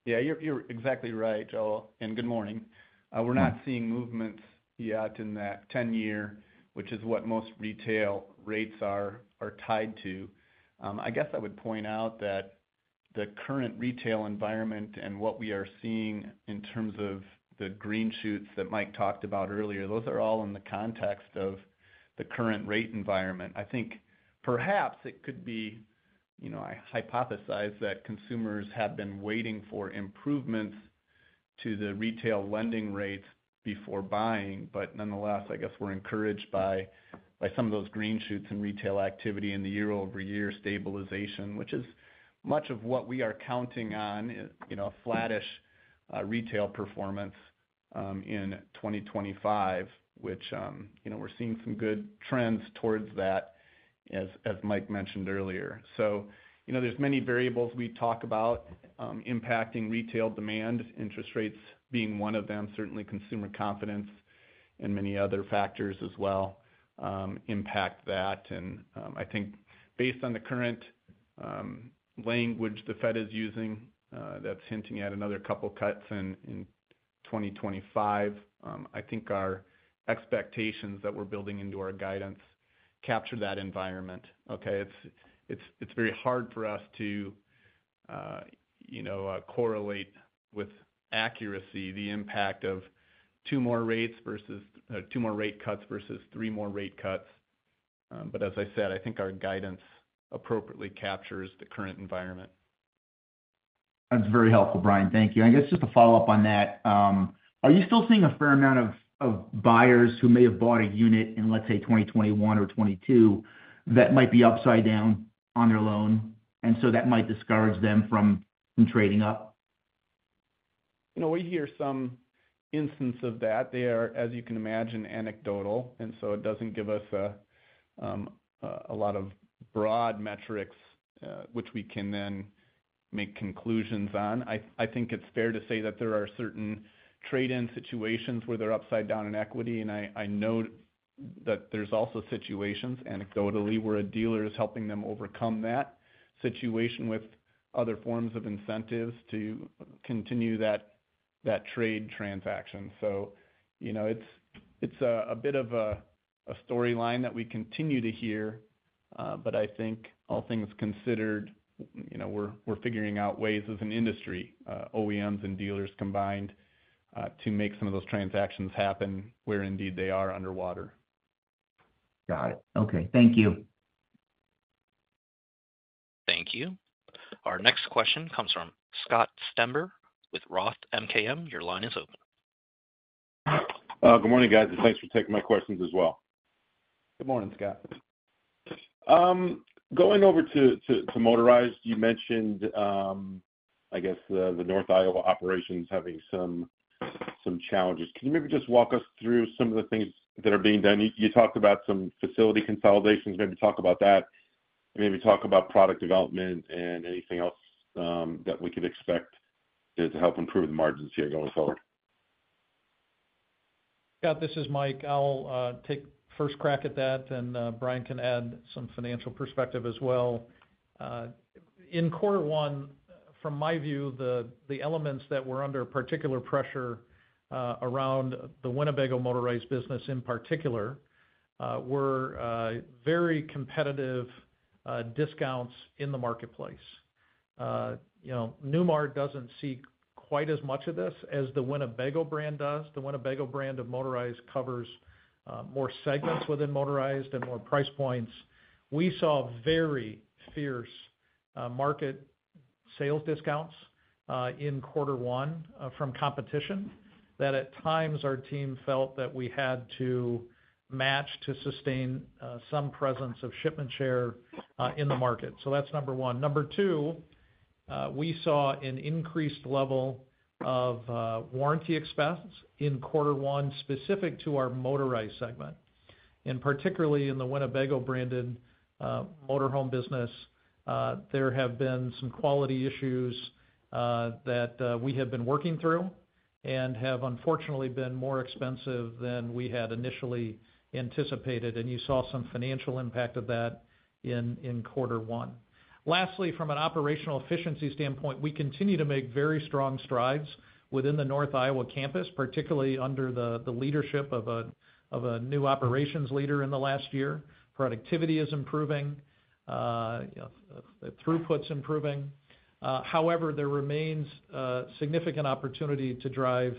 Yeah. You're exactly right, Joe, and good morning. We're not seeing movements yet in that 10-year, which is what most retail rates are tied to. I guess I would point out that the current retail environment and what we are seeing in terms of the green shoots that Mike talked about earlier, those are all in the context of the current rate environment. I think perhaps it could be, I hypothesize that consumers have been waiting for improvements to the retail lending rates before buying, but nonetheless, I guess we're encouraged by some of those green shoots and retail activity and the year-over-year stabilization, which is much of what we are counting on: a flattish retail performance in 2025, which we're seeing some good trends towards that, as Mike mentioned earlier, so there's many variables we talk about impacting retail demand, interest rates being one of them. Certainly, consumer confidence and many other factors as well impact that, and I think based on the current language the Fed is using that's hinting at another couple of cuts in 2025, I think our expectations that we're building into our guidance capture that environment. Okay? It's very hard for us to correlate with accuracy the impact of two more rates versus two more rate cuts versus three more rate cuts, but as I said, I think our guidance appropriately captures the current environment. That's very helpful, Brian. Thank you. And I guess just to follow up on that, are you still seeing a fair amount of buyers who may have bought a unit in, let's say, 2021 or 2022 that might be upside down on their loan? And so that might discourage them from trading up? We hear some instance of that. They are, as you can imagine, anecdotal. And so it doesn't give us a lot of broad metrics, which we can then make conclusions on. I think it's fair to say that there are certain trade-in situations where they're upside down in equity. And I note that there's also situations anecdotally where a dealer is helping them overcome that situation with other forms of incentives to continue that trade transaction. So it's a bit of a storyline that we continue to hear. But I think all things considered, we're figuring out ways as an industry, OEMs and dealers combined, to make some of those transactions happen where indeed they are underwater. Got it. Okay. Thank you. Thank you. Our next question comes from Scott Stember with ROTH MKM. Your line is open. Good morning, guys. Thanks for taking my questions as well. Good morning, Scott. Going over to motorized, you mentioned, I guess, the North Iowa operations having some challenges. Can you maybe just walk us through some of the things that are being done? You talked about some facility consolidations, maybe talk about that, maybe talk about product development and anything else that we could expect to help improve the margins here going forward. Yeah. This is Mike. I'll take first crack at that, and Brian can add some financial perspective as well. In quarter one, from my view, the elements that were under particular pressure around the Winnebago motorized business in particular were very competitive discounts in the marketplace. Newmar doesn't seek quite as much of this as the Winnebago brand does. The Winnebago brand of motorized covers more segments within motorized and more price points. We saw very fierce market sales discounts in quarter one from competition that at times our team felt that we had to match to sustain some presence of shipment share in the market. So that's number one. Number two, we saw an increased level of warranty expense in quarter one specific to our motorized segment. Particularly in the Winnebago branded motorhome business, there have been some quality issues that we have been working through and have unfortunately been more expensive than we had initially anticipated. You saw some financial impact of that in quarter one. Lastly, from an operational efficiency standpoint, we continue to make very strong strides within the North Iowa campus, particularly under the leadership of a new operations leader in the last year. Productivity is improving. Throughput's improving. However, there remains significant opportunity to drive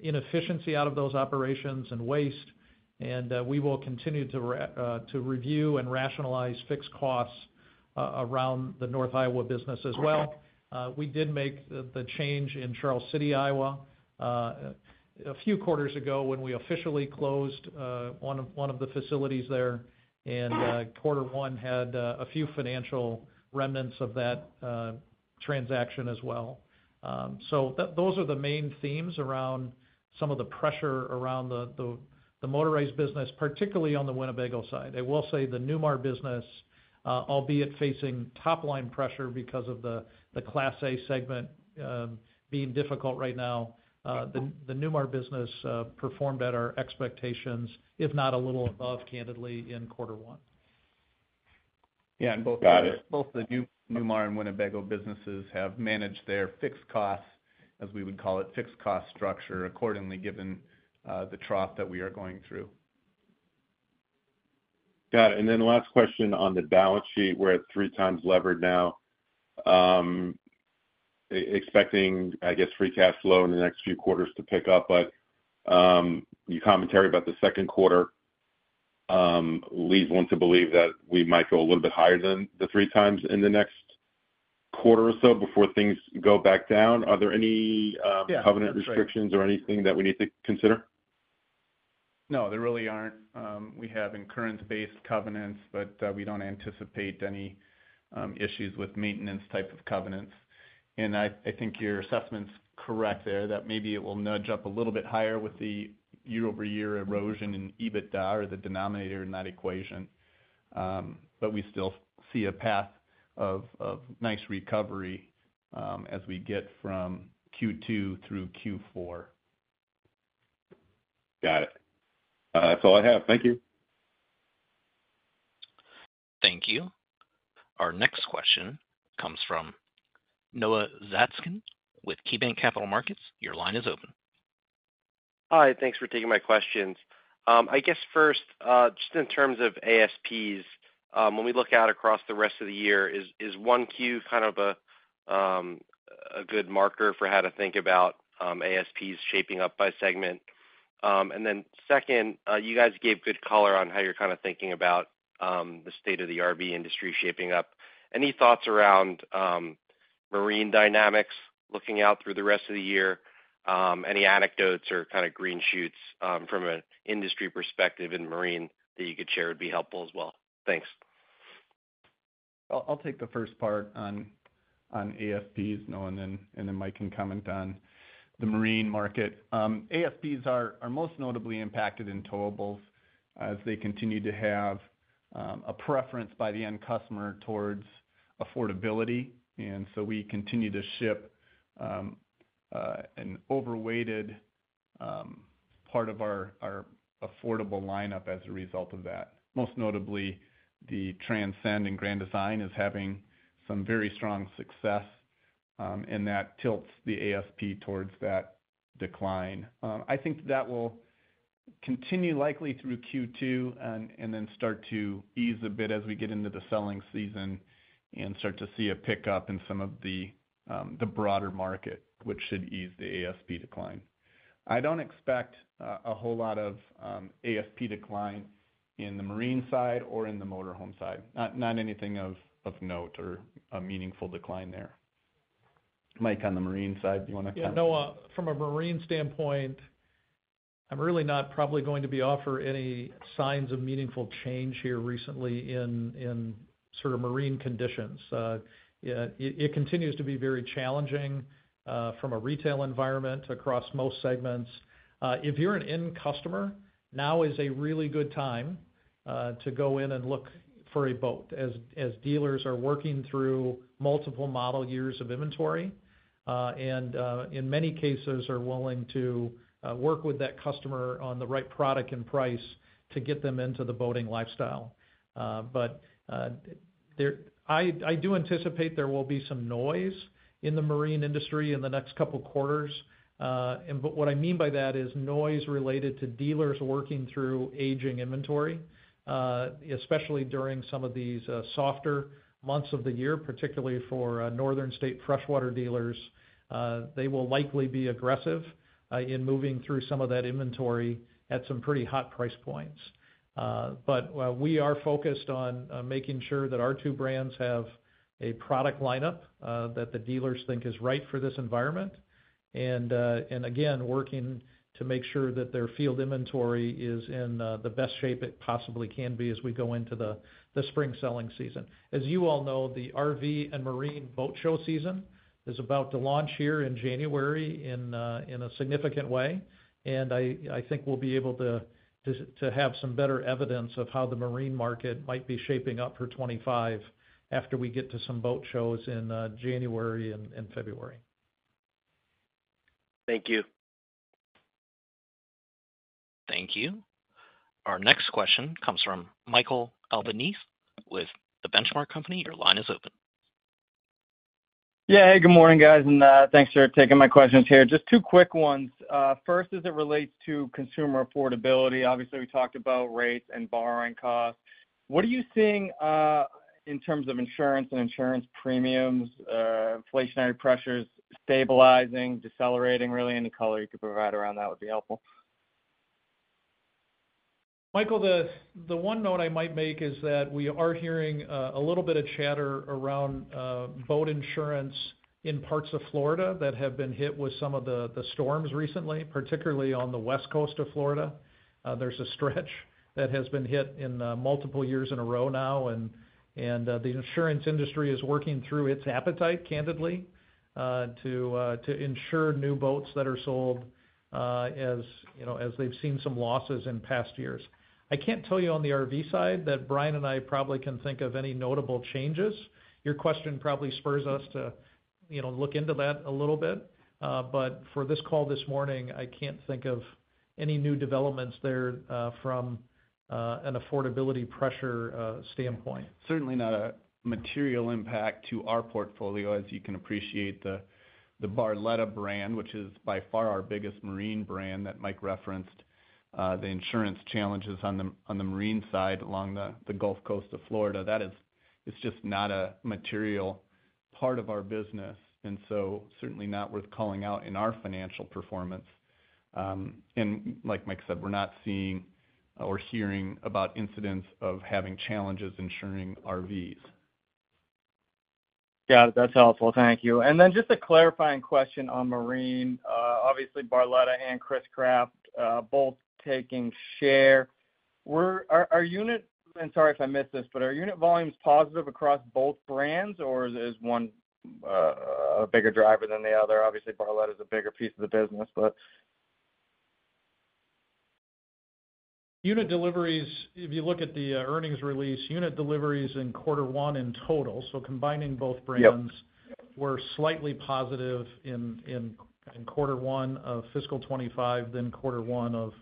inefficiency out of those operations and waste. We will continue to review and rationalize fixed costs around the North Iowa business as well. We did make the change in Charles City, Iowa, a few quarters ago when we officially closed one of the facilities there. Quarter one had a few financial remnants of that transaction as well. So those are the main themes around some of the pressure around the motorized business, particularly on the Winnebago side. I will say the Newmar business, albeit facing top-line pressure because of the Class A segment being difficult right now, the Newmar business performed at our expectations, if not a little above, candidly, in quarter one. Yeah, and both the Newmar and Winnebago businesses have managed their fixed costs, as we would call it, fixed cost structure accordingly given the trough that we are going through. Got it. And then the last question on the balance sheet, we're at three times levered now, expecting, I guess, free cash flow in the next few quarters to pick up. But your commentary about the second quarter leads one to believe that we might go a little bit higher than the three times in the next quarter or so before things go back down. Are there any covenant restrictions or anything that we need to consider? No. There really aren't. We have incurrence-based covenants, but we don't anticipate any issues with maintenance type of covenants. And I think your assessment's correct there that maybe it will nudge up a little bit higher with the year-over-year erosion in EBITDA or the denominator in that equation. But we still see a path of nice recovery as we get from Q2 through Q4. Got it. That's all I have. Thank you. Thank you. Our next question comes from Noah Zatzkin with KeyBanc Capital Markets. Your line is open. Hi. Thanks for taking my questions. I guess first, just in terms of ASPs, when we look out across the rest of the year, is 1Q kind of a good marker for how to think about ASPs shaping up by segment? And then second, you guys gave good color on how you're kind of thinking about the state of the RV industry shaping up. Any thoughts around marine dynamics looking out through the rest of the year? Any anecdotes or kind of green shoots from an industry perspective in marine that you could share would be helpful as well. Thanks. I'll take the first part on ASPs, Noah, and then Mike can comment on the marine market. ASPs are most notably impacted in towables as they continue to have a preference by the end customer towards affordability. And so we continue to ship an overweighted part of our affordable lineup as a result of that. Most notably, the Transcend and Grand Design is having some very strong success, and that tilts the ASP towards that decline. I think that will continue likely through Q2 and then start to ease a bit as we get into the selling season and start to see a pickup in some of the broader market, which should ease the ASP decline. I don't expect a whole lot of ASP decline in the marine side or in the motorhome side. Not anything of note or a meaningful decline there. Mike, on the marine side, do you want to comment? Yeah. Noah, from a marine standpoint, I'm really not probably going to be offering any signs of meaningful change here recently in sort of marine conditions. It continues to be very challenging from a retail environment across most segments. If you're an end customer, now is a really good time to go in and look for a boat as dealers are working through multiple model years of inventory and in many cases are willing to work with that customer on the right product and price to get them into the boating lifestyle. But I do anticipate there will be some noise in the marine industry in the next couple of quarters. But what I mean by that is noise related to dealers working through aging inventory, especially during some of these softer months of the year, particularly for northern states' freshwater dealers. They will likely be aggressive in moving through some of that inventory at some pretty hot price points. But we are focused on making sure that our two brands have a product lineup that the dealers think is right for this environment and, again, working to make sure that their field inventory is in the best shape it possibly can be as we go into the spring selling season. As you all know, the RV and marine boat show season is about to launch here in January in a significant way. I think we'll be able to have some better evidence of how the marine market might be shaping up for 2025 after we get to some boat shows in January and February. Thank you. Thank you. Our next question comes from Michael Albanese with The Benchmark Company. Your line is open. Yeah. Hey, good morning, guys. And thanks for taking my questions here. Just two quick ones. First, as it relates to consumer affordability, obviously, we talked about rates and borrowing costs. What are you seeing in terms of insurance and insurance premiums, inflationary pressures, stabilizing, decelerating? Really, any color you could provide around that would be helpful. Michael, the one note I might make is that we are hearing a little bit of chatter around boat insurance in parts of Florida that have been hit with some of the storms recently, particularly on the West Coast of Florida. There's a stretch that has been hit in multiple years in a row now, and the insurance industry is working through its appetite, candidly, to insure new boats that are sold as they've seen some losses in past years. I can't tell you on the RV side that Brian and I probably can think of any notable changes. Your question probably spurs us to look into that a little bit, but for this call this morning, I can't think of any new developments there from an affordability pressure standpoint. Certainly not a material impact to our portfolio, as you can appreciate, the Barletta brand, which is by far our biggest marine brand that Mike referenced, the insurance challenges on the marine side along the Gulf Coast of Florida. That is just not a material part of our business, and so certainly not worth calling out in our financial performance, and like Mike said, we're not seeing or hearing about incidents of having challenges insuring RVs. Got it. That's helpful. Thank you. And then just a clarifying question on marine. Obviously, Barletta and Chris-Craft both taking share. And sorry if I missed this, but are unit volumes positive across both brands, or is one a bigger driver than the other? Obviously, Barletta is a bigger piece of the business, but. Unit deliveries, if you look at the earnings release, unit deliveries in quarter one in total. So combining both brands were slightly positive in quarter one of fiscal 2025, than quarter one of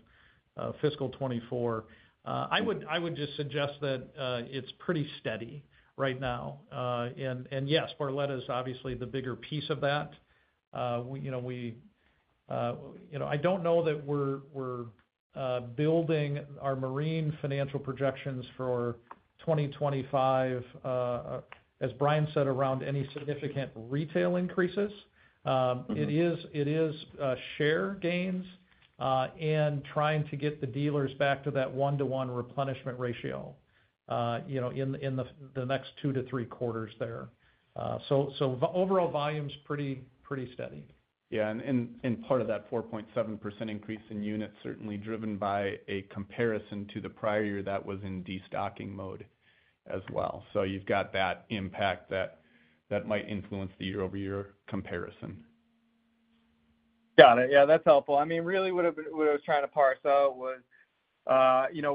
fiscal 2024. I would just suggest that it's pretty steady right now. And yes, Barletta is obviously the bigger piece of that. I don't know that we're building our marine financial projections for 2025, as Brian said, around any significant retail increases. It is share gains and trying to get the dealers back to that one-to-one replenishment ratio in the next two to three quarters there. So overall volume's pretty steady. Yeah. And part of that 4.7% increase in units certainly driven by a comparison to the prior year that was in destocking mode as well. So you've got that impact that might influence the year-over-year comparison. Got it. Yeah. That's helpful. I mean, really, what I was trying to parse out was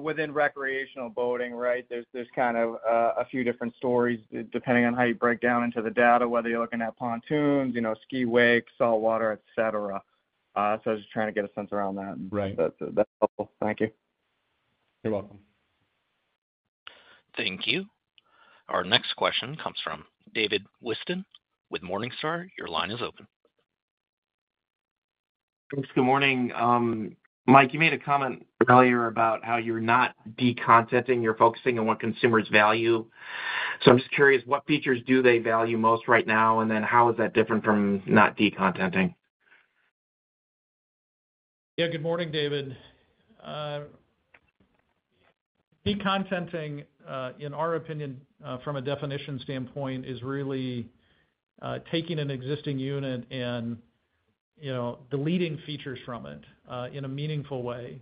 within recreational boating, right, there's kind of a few different stories depending on how you break down into the data, whether you're looking at pontoons, ski wakes, salt water, etc. So I was just trying to get a sense around that. Right. That's helpful. Thank you. You're welcome. Thank you. Our next question comes from David Whiston with Morningstar. Your line is open. Thanks. Good morning. Mike, you made a comment earlier about how you're not de-contenting. You're focusing on what consumers value. So I'm just curious, what features do they value most right now, and then how is that different from not de-contenting? Yeah. Good morning, David. Decontenting, in our opinion, from a definition standpoint, is really taking an existing unit and deleting features from it in a meaningful way.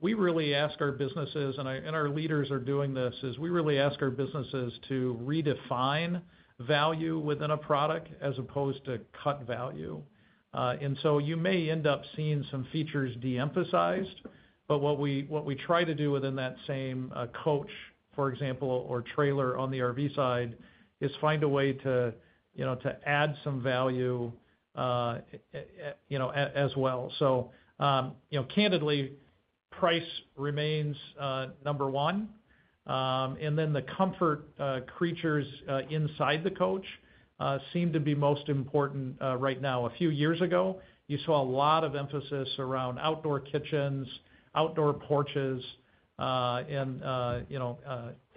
We really ask our businesses, and our leaders are doing this, is we really ask our businesses to redefine value within a product as opposed to cut value. And so you may end up seeing some features de-emphasized, but what we try to do within that same coach, for example, or trailer on the RV side is find a way to add some value as well. So candidly, price remains number one. And then the comfort features inside the coach seem to be most important right now. A few years ago, you saw a lot of emphasis around outdoor kitchens, outdoor porches, and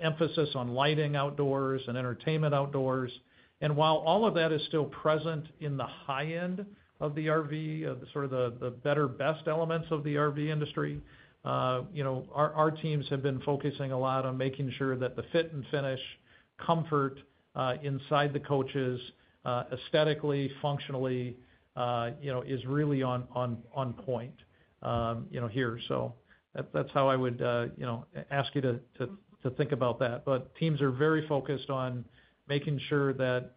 emphasis on lighting outdoors and entertainment outdoors. While all of that is still present in the high-end of the RV, sort of the better-best elements of the RV industry, our teams have been focusing a lot on making sure that the fit and finish, comfort inside the coaches, aesthetically, functionally, is really on point here. That's how I would ask you to think about that. Teams are very focused on making sure that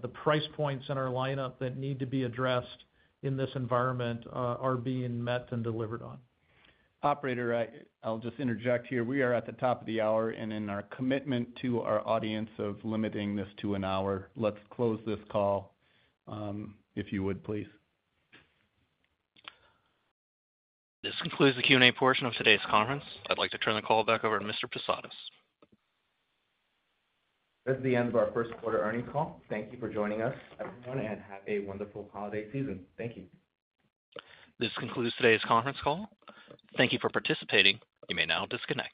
the price points in our lineup that need to be addressed in this environment are being met and delivered on. Operator, I'll just interject here. We are at the top of the hour, and in our commitment to our audience of limiting this to an hour, let's close this call, if you would, please. This concludes the Q&A portion of today's conference. I'd like to turn the call back over to Mr. Posadas. This is the end of our first quarter earnings call. Thank you for joining us, everyone, and have a wonderful holiday season. Thank you. This concludes today's conference call. Thank you for participating. You may now disconnect.